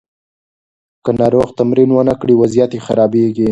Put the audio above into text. که ناروغ تمرین ونه کړي، وضعیت یې خرابیږي.